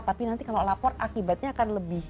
tapi nanti kalau lapor akibatnya akan lebih